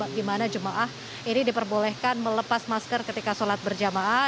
bagaimana jamaah ini diperbolehkan melepas masker ketika solat berjamaah